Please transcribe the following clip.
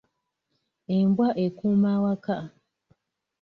Embwa ekuuma awaka.